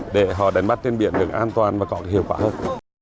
để họ đánh bắt trên biển được an toàn và có hiệu quả hơn